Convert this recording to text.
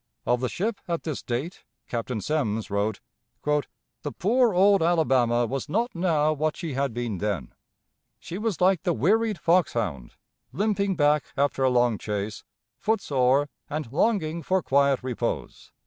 Of the ship at this date Captain Semmes wrote: "The poor old Alabama was not now what she had been then. She was like the wearied fox hound, limping back after a long chase, foot sore, and longing for quiet repose."